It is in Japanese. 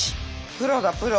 プロだプロ。